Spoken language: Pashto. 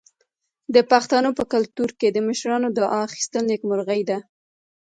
د پښتنو په کلتور کې د مشرانو دعا اخیستل نیکمرغي ده.